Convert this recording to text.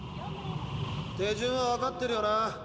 手順はわかってるよな。